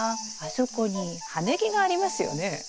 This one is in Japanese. そこに葉ネギがありますよね。